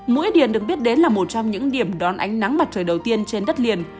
mũi điền được biết đến là một trong những điểm đón ánh nắng mặt trời đầu tiên trên đất liền